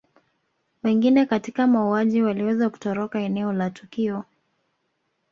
Wengine katika mauaji waliweza kutoroka eneo la tukio